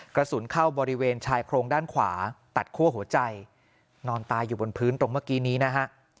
กระสุนเข้าบริเวณชายโครงด้านขวาตัดคั่วหัวใจนอนตายอยู่บนพื้นตรงเมื่อกี้นี้นะฮะ